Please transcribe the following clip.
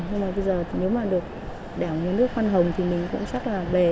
nhưng mà bây giờ nếu mà được đảng của nhà nước văn hồng thì mình cũng chắc là về